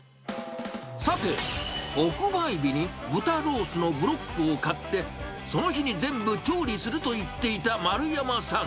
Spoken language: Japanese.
さて、特売日に豚ロースのブロックを買って、その日に全部調理すると言っていた丸山さん。